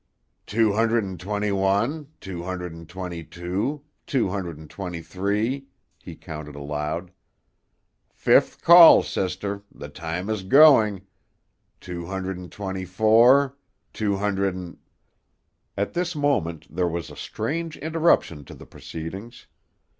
"Two hundred and twenty one, two hundred and twenty two, two hundred and twenty three," he counted aloud. "Fifth call, sister, the time is going; two hundred and twenty four, two hundred and " At this moment there was a strange interruption to the proceedings.